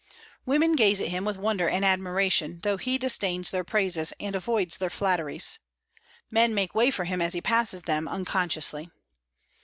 Women gaze at him with wonder and admiration, though he disdains their praises and avoids their flatteries. Men make way for him as he passes them, unconsciously.